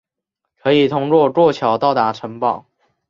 可以通过过桥到达城堡。